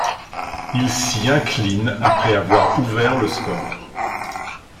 Ils s'y inclinent après avoir ouvert le score.